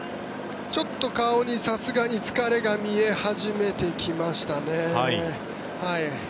ちょっと顔にさすがに疲れが見え始めてきましたね。